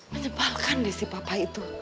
menyebalkan di si papa itu